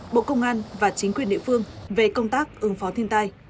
bộ công an và chính quyền địa phương về công tác ứng phó thiên tai